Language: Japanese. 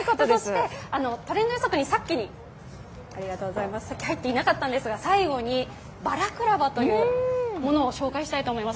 トレンド予測にさっき入っていなかったんですが、最後にバラクラバというものを紹介したいと思います。